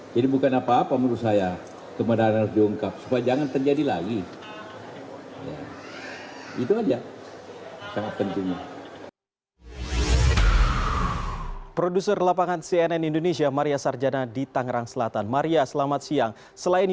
jadi bukan apa apa menurut saya kemudahan harus diungkap